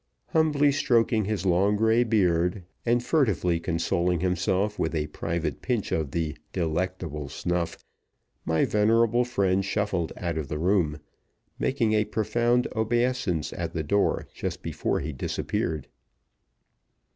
Humbly stroking his long gray beard, and furtively consoling himself with a private pinch of the "delectable snuff," my venerable friend shuffled out of the room, making a profound obeisance at the door just before he disappeared.